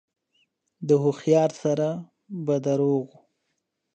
د هوښيار سر به روغ و